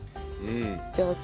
上手。